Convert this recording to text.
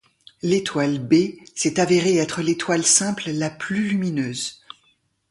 L'étoile B s'est avérée être l'étoile simple la plus lumineuse.